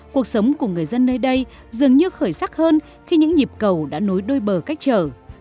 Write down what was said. cuộc sống của người dân nơi đây dường như khởi sắc hơn khi những nhịp cầu đã nối đôi bờ cách trở